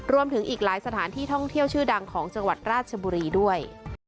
อีกหลายสถานที่ท่องเที่ยวชื่อดังของจังหวัดราชบุรีด้วย